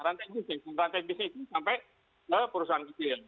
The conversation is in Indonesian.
rantai bisnis rantai bisnis itu sampai ke perusahaan kecil